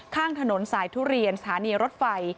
ข้างถนนสายทุเรียนสถานีรถไฟ